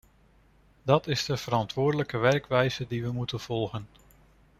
Dat is de verantwoordelijke werkwijze die we moeten volgen.